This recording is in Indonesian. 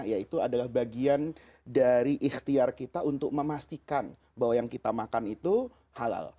yaitu adalah bagian dari ikhtiar kita untuk memastikan bahwa yang kita makan itu halal